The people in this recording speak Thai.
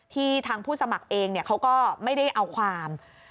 ทางผู้สมัครเองเขาก็ไม่ได้เอาความ